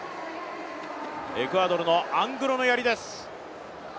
エクアドルのアングロのやりです。